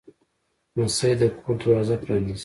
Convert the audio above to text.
لمسی د کور دروازه پرانیزي.